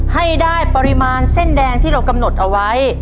ให้ได้ปริมาณเส้นแดงที่เรากำหนดเอาไว้